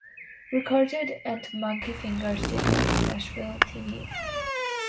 Recorded at Monkey Finger Studios, Nashville, Tennessee.